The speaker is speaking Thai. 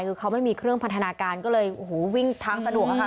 คือเขาไม่มีเครื่องพันธนาการก็เลยวิ่งทางสะดวกค่ะ